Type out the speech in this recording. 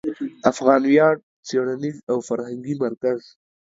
افغان ویاړ څېړنیز او فرهنګي مرکز